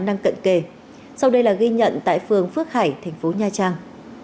năng cận kề sau đây là ghi nhận tại phường phước hải thành phố nha trang